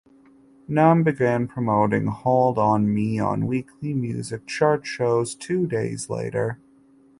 Nam began promoting "Hold on Me" on weekly music chart shows two days later.